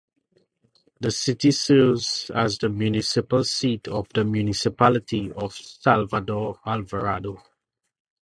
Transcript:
The city serves as the municipal seat of the municipality of Salvador Alvarado.